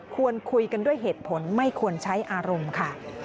ควรคุยกันด้วยเหตุผลไม่ควรใช้อารมณ์ค่ะ